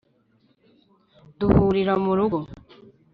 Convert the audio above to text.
duhulira mu rugo